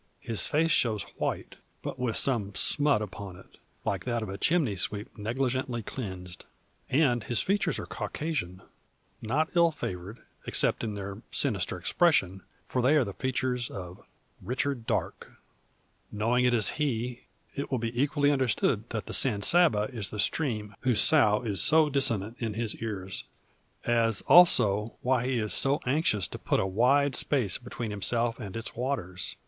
His face shows white, but with some smut upon it, like that of a chimney sweep negligently cleansed. And his features are Caucasian, not ill favoured, except in their sinister expression; for they are the features of Richard Darke. Knowing it is he, it will be equally understood that the San Saba is the stream whose sough is so dissonant in his ears, as also, why he is so anxious to put a wide space between himself and its waters.